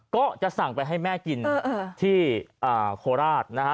ก็จะสั่งไปให้แม่กินที่โคราชนะฮะ